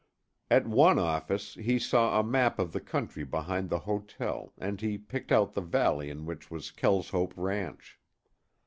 At one office he saw a map of the country behind the hotel and he picked out the valley in which was Kelshope ranch.